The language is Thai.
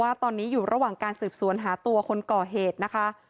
ว่าตอนนี้อยู่ระหว่างการสืบสวนหาตัวคนก่อเหตุนะคะ